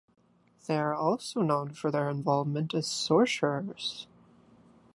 They are also known for their involvement as sorcerers.